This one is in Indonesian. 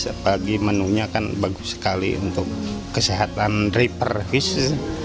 apalagi menunya kan bagus sekali untuk kesehatan riper fish